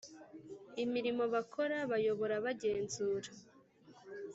imirimo bakora bayobora bagenzura